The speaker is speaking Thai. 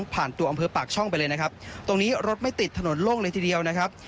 ตัวอำเภอปากช่องไปเลยนะครับตรงนี้รถไม่ติดถนนโล่งเลยทีเดียวนะครับ